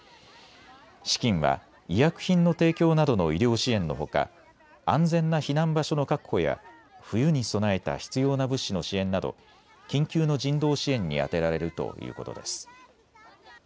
資金は医薬品の提供などの医療支援のほか安全な避難場所の確保や冬に備えた必要な物資の支援など緊急の人道支援に充てられるということです。